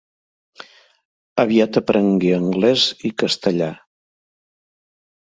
Aviat aprengué anglès i castellà.